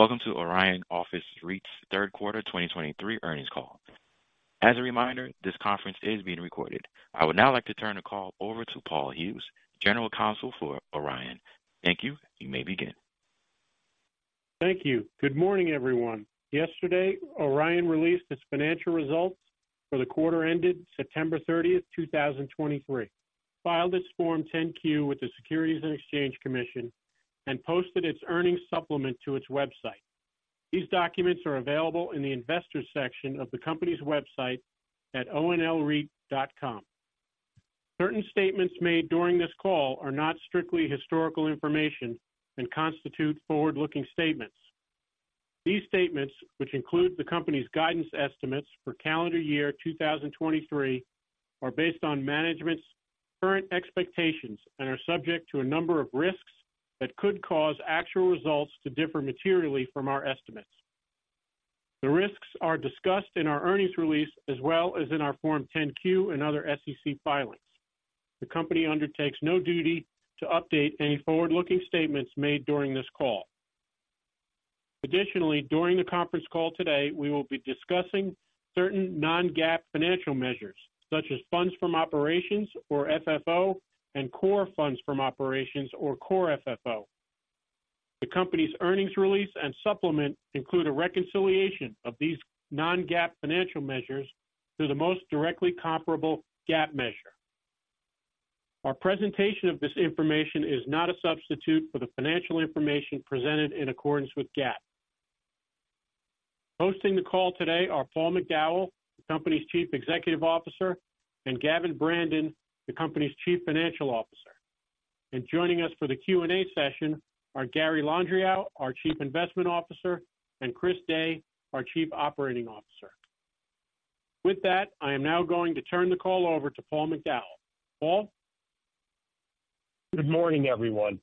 Greetings. Welcome to Orion Office REIT's third quarter 2023 earnings call. As a reminder, this conference is being recorded. I would now like to turn the call over to Paul Hughes, General Counsel for Orion. Thank you. You may begin. Thank you. Good morning, everyone. Yesterday, Orion released its financial results for the quarter ended September 30, 2023, filed its Form 10-Q with the Securities and Exchange Commission, and posted its earnings supplement to its website. These documents are available in the Investors section of the company's website at onlreit.com. Certain statements made during this call are not strictly historical information and constitute forward-looking statements. These statements, which include the company's guidance estimates for calendar year 2023, are based on management's current expectations and are subject to a number of risks that could cause actual results to differ materially from our estimates. The risks are discussed in our earnings release as well as in our Form 10-Q and other SEC filings. The company undertakes no duty to update any forward-looking statements made during this call. Additionally, during the conference call today, we will be discussing certain non-GAAP financial measures, such as funds from operations, or FFO, and core funds from operations, or core FFO. The company's earnings release and supplement include a reconciliation of these non-GAAP financial measures to the most directly comparable GAAP measure. Our presentation of this information is not a substitute for the financial information presented in accordance with GAAP. Hosting the call today are Paul McDowell, the company's Chief Executive Officer, and Gavin Brandon, the company's Chief Financial Officer. Joining us for the Q&A session are Gary Landriau, our Chief Investment Officer, and Chris Day, our Chief Operating Officer. With that, I am now going to turn the call over to Paul McDowell. Paul? Good morning, everyone,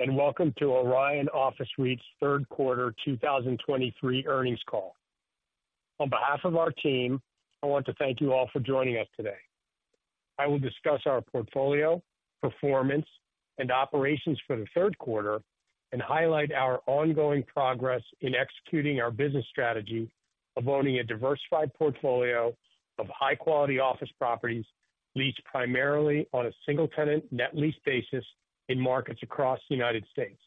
and welcome to Orion Office REIT's third quarter 2023 earnings call. On behalf of our team, I want to thank you all for joining us today. I will discuss our portfolio, performance, and operations for the third quarter and highlight our ongoing progress in executing our business strategy of owning a diversified portfolio of high-quality office properties, leased primarily on a single-tenant, net lease basis in markets across the United States.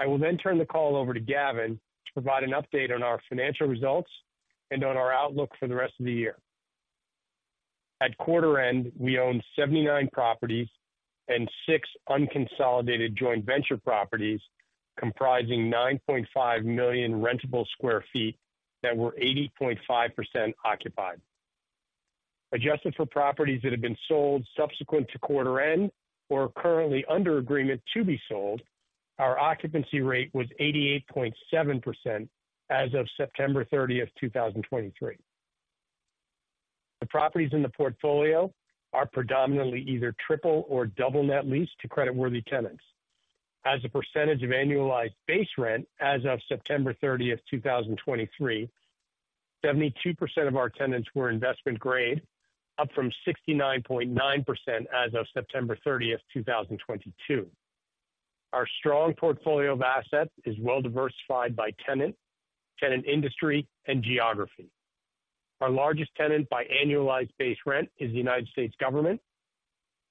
I will then turn the call over to Gavin to provide an update on our financial results and on our outlook for the rest of the year. At quarter end, we owned 79 properties and six unconsolidated joint venture properties, comprising 9.5 million rentable sq ft that were 80.5% occupied. Adjusted for properties that have been sold subsequent to quarter end or are currently under agreement to be sold, our occupancy rate was 88.7% as of September 30, 2023. The properties in the portfolio are predominantly either triple- or double-net lease to creditworthy tenants. As a percentage of annualized base rent as of September 30, 2023, 72% of our tenants were investment grade, up from 69.9% as of September 30, 2022. Our strong portfolio of assets is well diversified by tenant, tenant industry, and geography. Our largest tenant by annualized base rent is the United States government,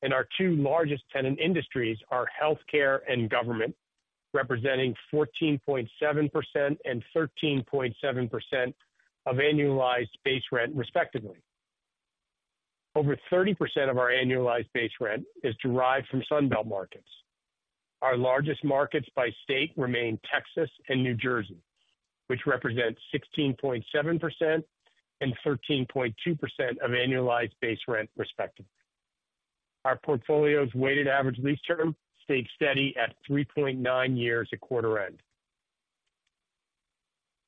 and our two largest tenant industries are healthcare and government, representing 14.7% and 13.7% of annualized base rent, respectively. Over 30% of our annualized base rent is derived from Sun Belt markets. Our largest markets by state remain Texas and New Jersey, which represent 16.7% and 13.2% of annualized base rent, respectively. Our portfolio's weighted average lease term stayed steady at 3.9 years at quarter end.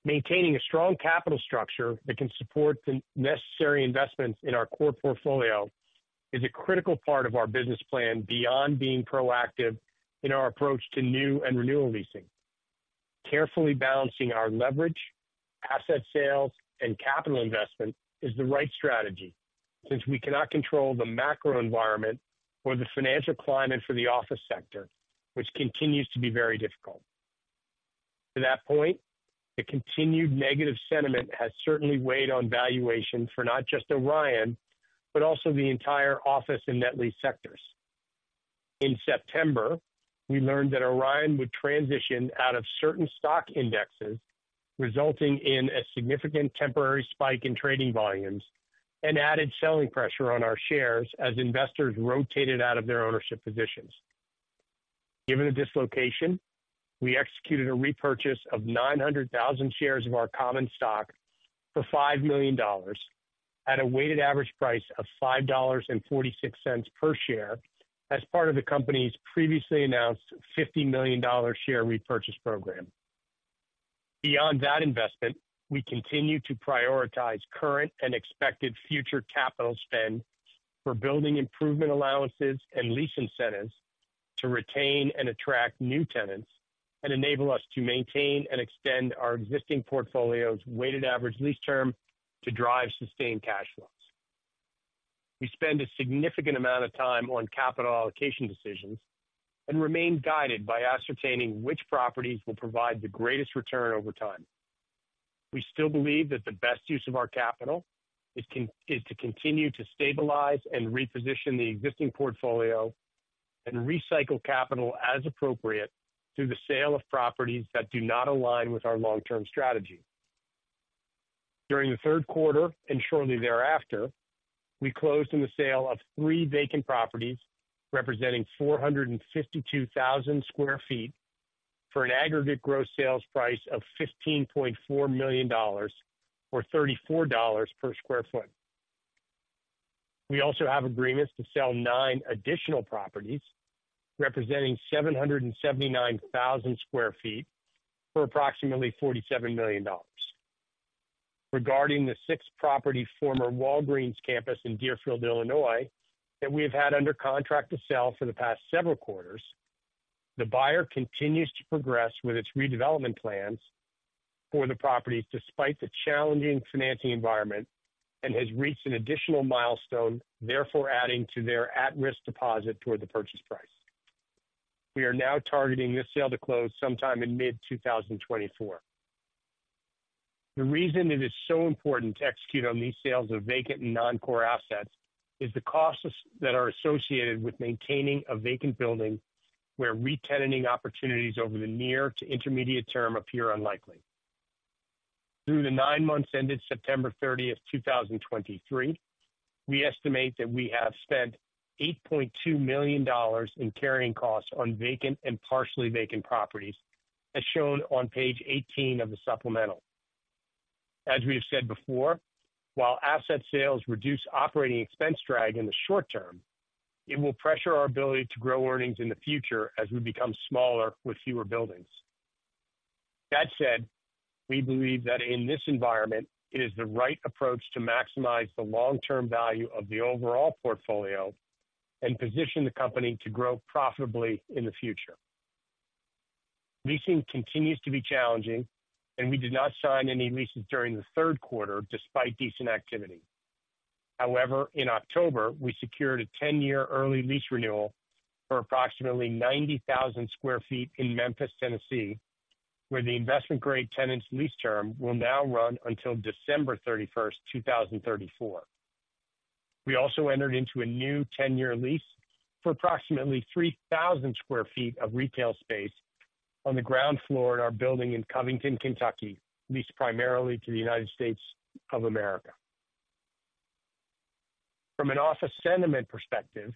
Maintaining a strong capital structure that can support the necessary investments in our core portfolio is a critical part of our business plan beyond being proactive in our approach to new and renewal leasing. Carefully balancing our leverage, asset sales, and capital investment is the right strategy, since we cannot control the macro environment or the financial climate for the office sector, which continues to be very difficult. To that point, the continued negative sentiment has certainly weighed on valuation for not just Orion, but also the entire office and net lease sectors. In September, we learned that Orion would transition out of certain stock indexes, resulting in a significant temporary spike in trading volumes and added selling pressure on our shares as investors rotated out of their ownership positions. Given the dislocation, we executed a repurchase of 900,000 shares of our common stock for $5 million at a weighted average price of $5.46 per share as part of the company's previously announced $50 million share repurchase program. Beyond that investment, we continue to prioritize current and expected future capital spend for building improvement allowances and lease incentives to retain and attract new tenants, and enable us to maintain and extend our existing portfolio's weighted average lease term to drive sustained cash flows. We spend a significant amount of time on capital allocation decisions and remain guided by ascertaining which properties will provide the greatest return over time. We still believe that the best use of our capital is to continue to stabilize and reposition the existing portfolio and recycle capital as appropriate through the sale of properties that do not align with our long-term strategy. During the third quarter and shortly thereafter, we closed on the sale of three vacant properties, representing 452,000 sq ft, for an aggregate gross sales price of $15.4 million, or $34 per sq ft. We also have agreements to sell nine additional properties, representing 779,000 sq ft for approximately $47 million. Regarding the six-property former Walgreens campus in Deerfield, Illinois, that we have had under contract to sell for the past several quarters, the buyer continues to progress with its redevelopment plans for the property, despite the challenging financing environment, and has reached an additional milestone, therefore adding to their at-risk deposit toward the purchase price. We are now targeting this sale to close sometime in mid-2024. The reason it is so important to execute on these sales of vacant and non-core assets is the costs that are associated with maintaining a vacant building, where re-tenanting opportunities over the near to intermediate term appear unlikely. Through the nine months ended September 30, 2023, we estimate that we have spent $8.2 million in carrying costs on vacant and partially vacant properties, as shown on page 18 of the supplemental. As we have said before, while asset sales reduce operating expense drag in the short term, it will pressure our ability to grow earnings in the future as we become smaller with fewer buildings. That said, we believe that in this environment, it is the right approach to maximize the long-term value of the overall portfolio and position the company to grow profitably in the future. Leasing continues to be challenging, and we did not sign any leases during the third quarter despite decent activity. However, in October, we secured a 10-year early lease renewal for approximately 90,000 sq ft in Memphis, Tennessee, where the investment-grade tenant's lease term will now run until December 31, 2034. We also entered into a new 10-year lease for approximately 3,000 sq ft of retail space on the ground floor in our building in Covington, Kentucky, leased primarily to the United States of America. From an office sentiment perspective,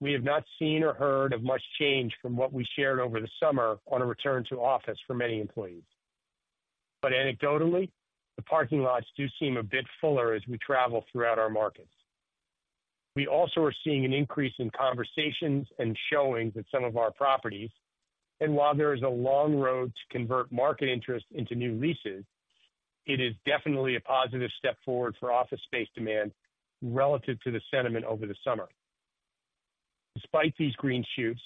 we have not seen or heard of much change from what we shared over the summer on a return to office for many employees. But anecdotally, the parking lots do seem a bit fuller as we travel throughout our markets. We also are seeing an increase in conversations and showings at some of our properties, and while there is a long road to convert market interest into new leases, it is definitely a positive step forward for office space demand relative to the sentiment over the summer. Despite these green shoots,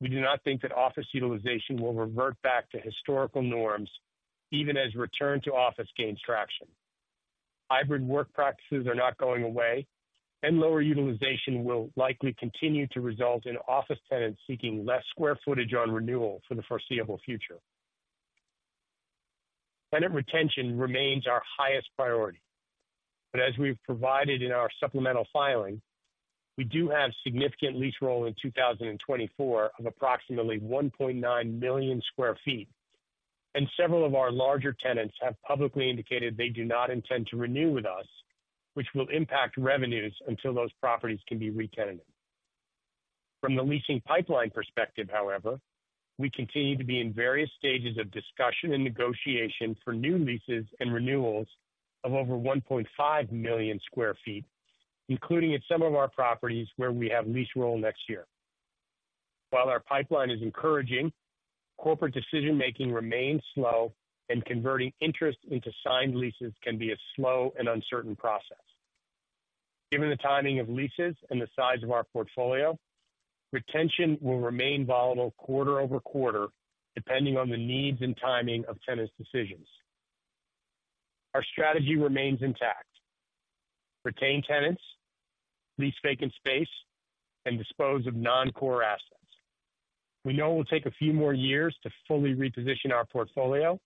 we do not think that office utilization will revert back to historical norms, even as return to office gains traction. Hybrid work practices are not going away, and lower utilization will likely continue to result in office tenants seeking less square footage on renewal for the foreseeable future. Tenant retention remains our highest priority, but as we've provided in our supplemental filing, we do have significant lease roll in 2024 of approximately 1.9 million sq ft, and several of our larger tenants have publicly indicated they do not intend to renew with us, which will impact revenues until those properties can be re-tenanted. From the leasing pipeline perspective, however, we continue to be in various stages of discussion and negotiation for new leases and renewals of over 1.5 million sq ft, including at some of our properties where we have lease roll next year. While our pipeline is encouraging, corporate decision-making remains slow, and converting interest into signed leases can be a slow and uncertain process. Given the timing of leases and the size of our portfolio, retention will remain volatile quarter-over-quarter, depending on the needs and timing of tenants' decisions. Our strategy remains intact: retain tenants, lease vacant space, and dispose of non-core assets. We know it will take a few more years to fully reposition our portfolio,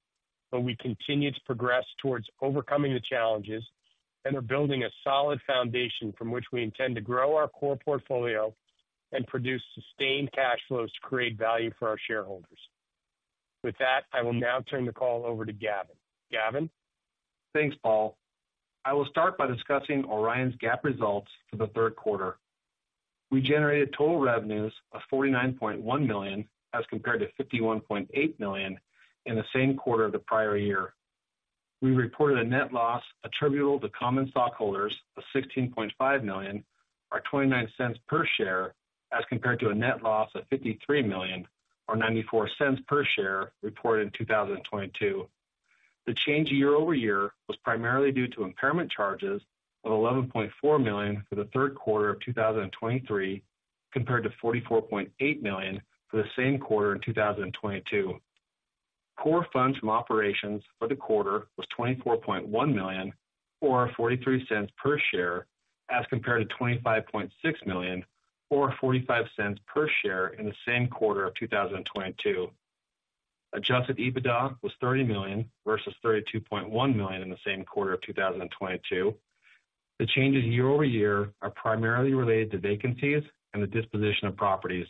but we continue to progress towards overcoming the challenges and are building a solid foundation from which we intend to grow our core portfolio and produce sustained cash flows to create value for our shareholders. With that, I will now turn the call over to Gavin. Gavin? Thanks, Paul. I will start by discussing Orion's GAAP results for the third quarter. We generated total revenues of $49.1 million, as compared to $51.8 million in the same quarter of the prior year. We reported a net loss attributable to common stockholders of $16.5 million, or $0.29 per share, as compared to a net loss of $53 million or $0.94 per share, reported in 2022. The change year-over-year was primarily due to impairment charges of $11.4 million for the third quarter of 2023, compared to $44.8 million for the same quarter in 2022. Core Funds from Operations for the quarter was $24.1 million, or $0.43 per share, as compared to $25.6 million, or $0.45 per share in the same quarter of 2022. Adjusted EBITDA was $30 million versus $32.1 million in the same quarter of 2022. The changes year-over-year are primarily related to vacancies and the disposition of properties.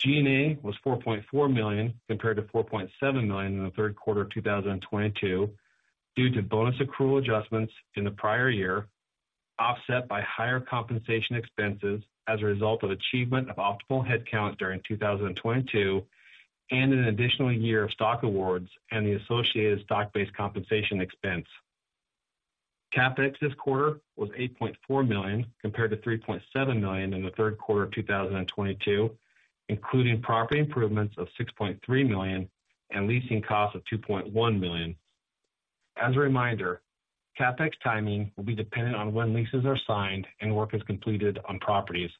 G&A was $4.4 million, compared to $4.7 million in the third quarter of 2022, due to bonus accrual adjustments in the prior year, offset by higher compensation expenses as a result of achievement of optimal headcount during 2022 and an additional year of stock awards and the associated stock-based compensation expense. CapEx this quarter was $8.4 million, compared to $3.7 million in the third quarter of 2022, including property improvements of $6.3 million and leasing costs of $2.1 million. As a reminder, CapEx timing will be dependent on when leases are signed and work is completed on properties.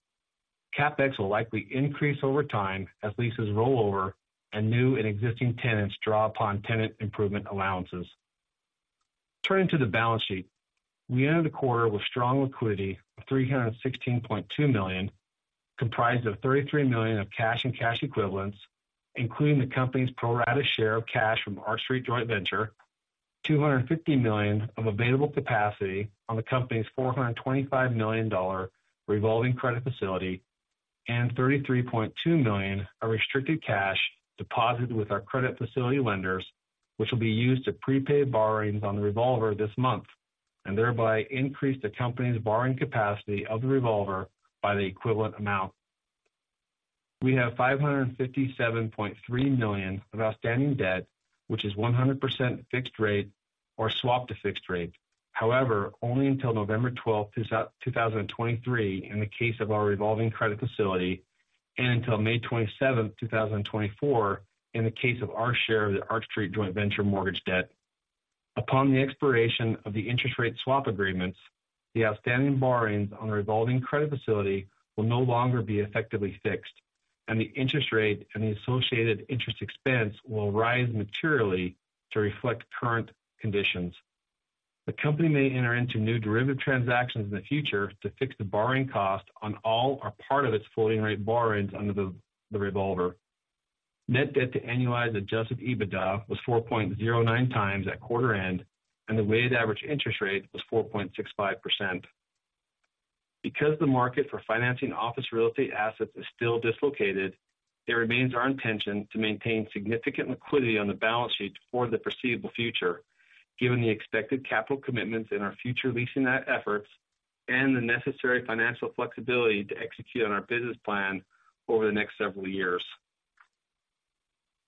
CapEx will likely increase over time as leases roll over and new and existing tenants draw upon tenant improvement allowances. Turning to the balance sheet. We ended the quarter with strong liquidity of $316.2 million, comprised of $33 million of cash and cash equivalents, including the company's pro rata share of cash from Arch Street Joint Venture, $250 million of available capacity on the company's $425 million revolving credit facility, and $33.2 million of restricted cash deposited with our credit facility lenders, which will be used to prepay borrowings on the revolver this month and thereby increase the company's borrowing capacity of the revolver by the equivalent amount. We have $557.3 million of outstanding debt, which is 100% fixed rate or swapped to fixed rate. However, only until November 12, 2023, in the case of our revolving credit facility, and until May 27, 2024, in the case of our share of the Arch Street Joint Venture mortgage debt. Upon the expiration of the interest rate swap agreements, the outstanding borrowings on the revolving credit facility will no longer be effectively fixed, and the interest rate and the associated interest expense will rise materially to reflect current conditions. The company may enter into new derivative transactions in the future to fix the borrowing cost on all or part of its floating rate borrowings under the revolver. Net Debt to annualized Adjusted EBITDA was 4.09 times at quarter end, and the weighted average interest rate was 4.65%. Because the market for financing office real estate assets is still dislocated, it remains our intention to maintain significant liquidity on the balance sheet for the foreseeable future, given the expected capital commitments in our future leasing efforts and the necessary financial flexibility to execute on our business plan over the next several years.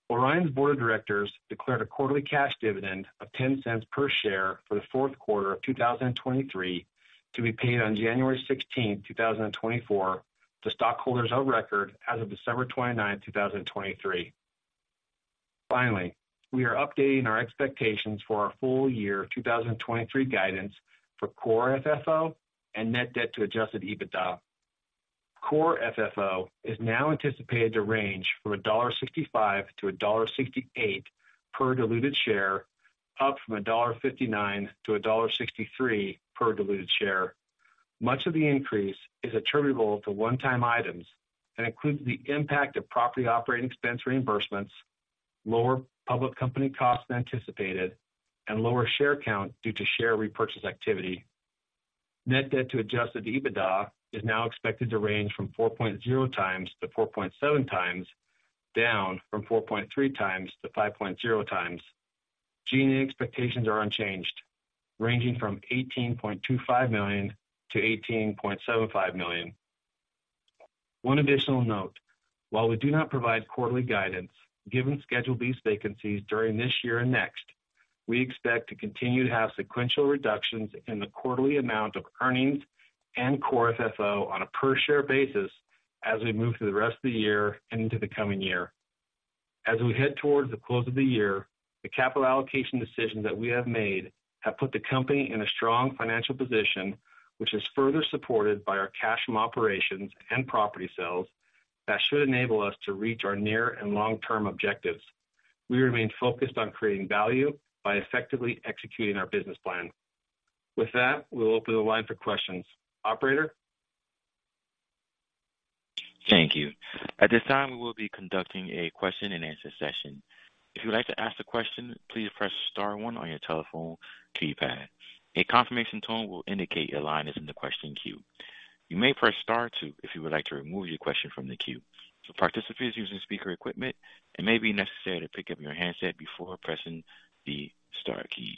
Orion's board of directors declared a quarterly cash dividend of $0.10 per share for the fourth quarter of 2023, to be paid on January 16, 2024, to stockholders of record as of December 29, 2023. Finally, we are updating our expectations for our full year 2023 guidance for Core FFO and net debt to Adjusted EBITDA. Core FFO is now anticipated to range from $1.65-$1.68 per diluted share, up from $1.59-$1.63 per diluted share. Much of the increase is attributable to one-time items and includes the impact of property operating expense reimbursements, lower public company costs than anticipated, and lower share count due to share repurchase activity. Net Debt to Adjusted EBITDA is now expected to range from 4.0x-4.7x, down from 4.3x-5.0x. G&A expectations are unchanged, ranging from $18.25 million-$18.75 million. One additional note: While we do not provide quarterly guidance, given scheduled lease vacancies during this year and next, we expect to continue to have sequential reductions in the quarterly amount of earnings and Core FFO on a per share basis as we move through the rest of the year and into the coming year. As we head towards the close of the year, the capital allocation decisions that we have made have put the company in a strong financial position, which is further supported by our cash from operations and property sales that should enable us to reach our near and long-term objectives. We remain focused on creating value by effectively executing our business plan. With that, we'll open the line for questions. Operator? Thank you. At this time, we will be conducting a question-and-answer session. If you would like to ask a question, please press star one on your telephone keypad. A confirmation tone will indicate your line is in the question queue. You may press star two if you would like to remove your question from the queue. For participants using speaker equipment, it may be necessary to pick up your handset before pressing the star keys.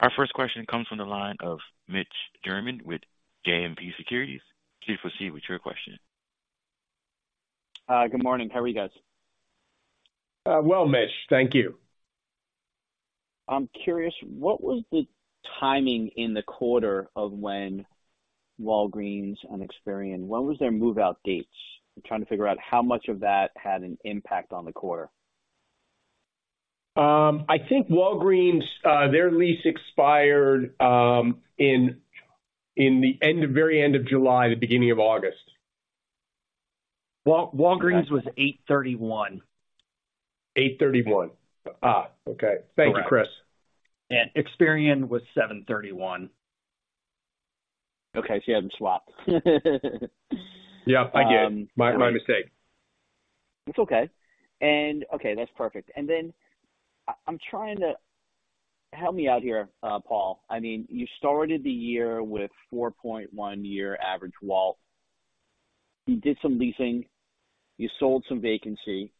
Our first question comes from the line of Mitch Germain with JMP Securities. Please proceed with your question. Good morning. How are you guys? Well, Mitch, thank you. I'm curious, what was the timing in the quarter of when Walgreens and Experian, when was their move-out dates? I'm trying to figure out how much of that had an impact on the quarter. I think Walgreens, their lease expired in the very end of July, the beginning of August. Walgreens was 831. 8:31. Ah, okay. Thank you, Chris. Experian was 731. Okay, so you had them swapped. Yeah, I did. My mistake. It's okay. Okay, that's perfect. Then I'm trying to... Help me out here, Paul. I mean, you started the year with 4.1-year average WALT. You did some leasing, you sold some vacancy,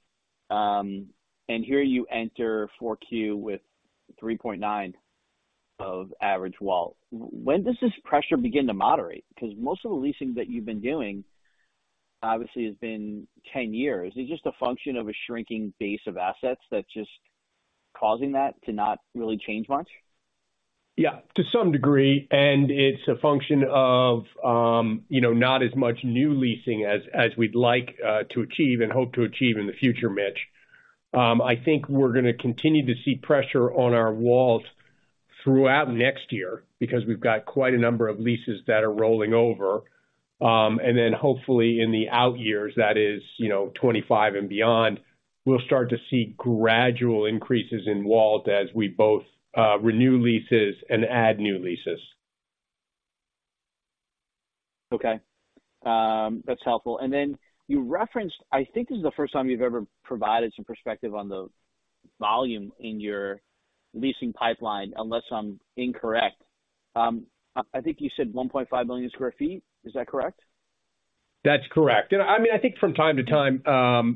and here you enter 4Q with 3.9-year average WALT. When does this pressure begin to moderate? Because most of the leasing that you've been doing obviously has been 10 years. Is it just a function of a shrinking base of assets that's just causing that to not really change much? Yeah, to some degree, and it's a function of, you know, not as much new leasing as, as we'd like, to achieve and hope to achieve in the future, Mitch. I think we're gonna continue to see pressure on our WALT throughout next year because we've got quite a number of leases that are rolling over. And then hopefully in the out years, that is, you know, 2025 and beyond, we'll start to see gradual increases in WALT as we both, renew leases and add new leases. Okay. That's helpful. And then you referenced, I think this is the first time you've ever provided some perspective on the volume in your leasing pipeline, unless I'm incorrect. I think you said 1.5 million sq ft. Is that correct? That's correct. And I mean, I think from time to time,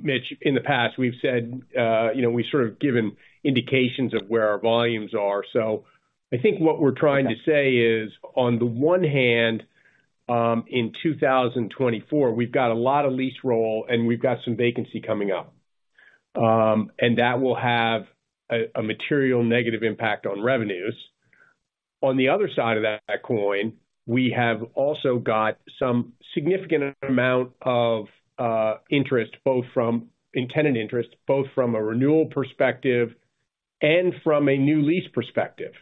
Mitch, in the past, we've said, you know, we've sort of given indications of where our volumes are. So I think what we're trying to say is, on the one hand, in 2024, we've got a lot of lease roll, and we've got some vacancy coming up. And that will have a material negative impact on revenues. On the other side of that coin, we have also got some significant amount of interest, both from in tenant interest, both from a renewal perspective and from a new lease perspective,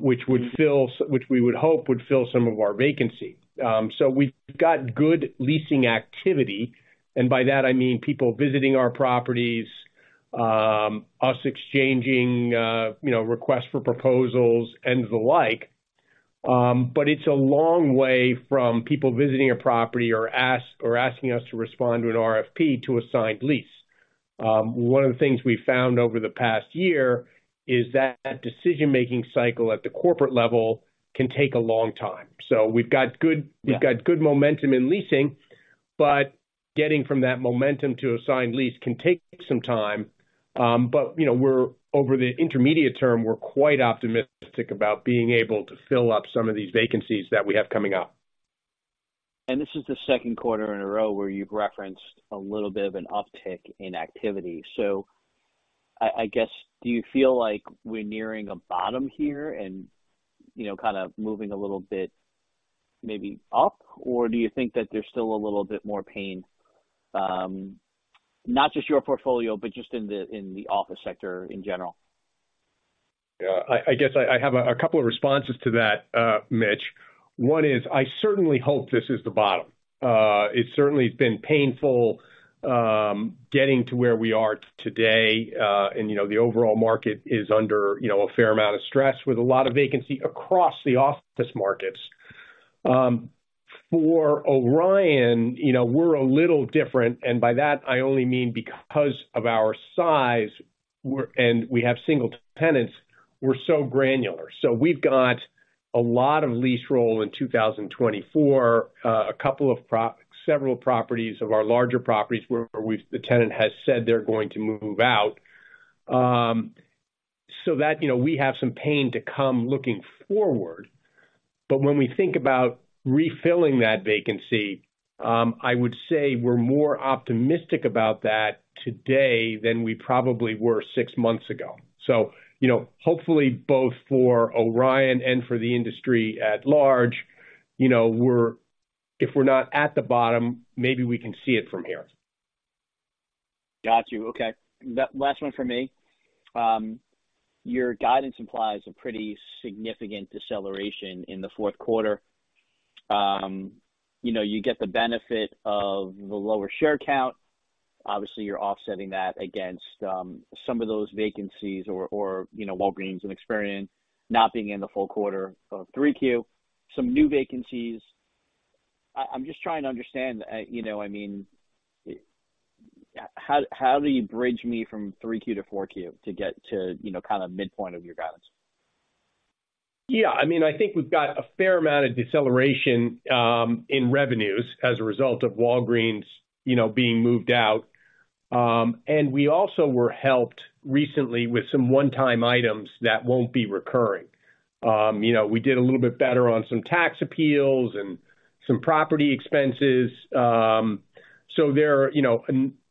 which we would hope would fill some of our vacancy. So we've got good leasing activity, and by that I mean people visiting our properties, us exchanging, you know, requests for proposals and the like. But it's a long way from people visiting a property or asking us to respond to an RFP to a signed lease. One of the things we've found over the past year is that decision-making cycle at the corporate level can take a long time. So we've got good- Yeah. We've got good momentum in leasing, but getting from that momentum to a signed lease can take some time. But, you know, we're over the intermediate term, we're quite optimistic about being able to fill up some of these vacancies that we have coming up. This is the second quarter in a row where you've referenced a little bit of an uptick in activity. So I guess, do you feel like we're nearing a bottom here and, you know, kind of moving a little bit maybe up? Or do you think that there's still a little bit more pain, not just your portfolio, but just in the office sector in general? Yeah. I guess I have a couple of responses to that, Mitch. One is, I certainly hope this is the bottom. It's certainly been painful getting to where we are today. You know, the overall market is under a fair amount of stress, with a lot of vacancy across the office markets. For Orion, you know, we're a little different, and by that, I only mean because of our size, we're, and we have single tenants, we're so granular. So we've got a lot of lease roll in 2024. A couple of several properties of our larger properties where we've, the tenant has said they're going to move out. So that, you know, we have some pain to come looking forward. But when we think about refilling that vacancy, I would say we're more optimistic about that today than we probably were six months ago. So, you know, hopefully, both for Orion and for the industry at large, you know, we're, if we're not at the bottom, maybe we can see it from here. Got you. Okay. The last one from me. Your guidance implies a pretty significant deceleration in the fourth quarter. You know, you get the benefit of the lower share count. Obviously, you're offsetting that against some of those vacancies or, you know, Walgreens and Experian not being in the full quarter of 3Q, some new vacancies. I'm just trying to understand, you know, I mean, how do you bridge me from 3Q to 4Q to get to, you know, kind of midpoint of your guidance? Yeah, I mean, I think we've got a fair amount of deceleration in revenues as a result of Walgreens, you know, being moved out. And we also were helped recently with some one-time items that won't be recurring. You know, we did a little bit better on some tax appeals and some property expenses. So there are, you know,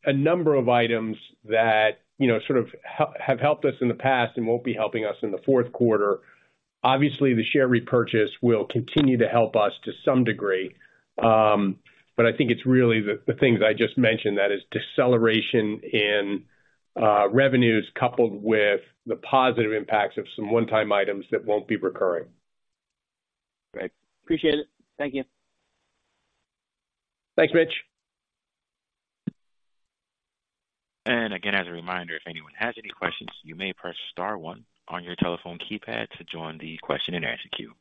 a number of items that, you know, sort of, have helped us in the past and won't be helping us in the fourth quarter. Obviously, the share repurchase will continue to help us to some degree. But I think it's really the things I just mentioned, that is deceleration in revenues, coupled with the positive impacts of some one-time items that won't be recurring. Great. Appreciate it. Thank you. Thanks, Mitch. Again, as a reminder, if anyone has any questions, you may press star one on your telephone keypad to join the question-and-answer queue.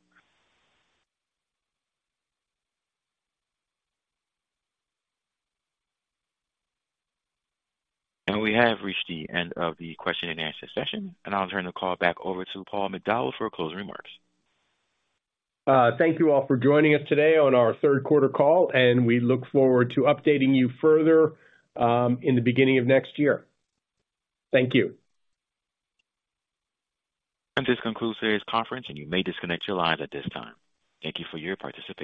We have reached the end of the question-and-answer session, and I'll turn the call back over to Paul McDowell for closing remarks. Thank you all for joining us today on our third quarter call, and we look forward to updating you further, in the beginning of next year. Thank you. This concludes today's conference, and you may disconnect your lines at this time. Thank you for your participation.